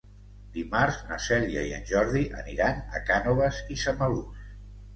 Dimarts na Cèlia i en Jordi aniran a Cànoves i Samalús.